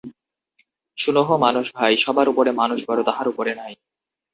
"শুনহ মানুষ ভাই, সবার উপরে মানুষ বড়, তাহার উপরে নাই।